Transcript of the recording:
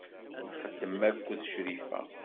Nxeddem akked Crifa.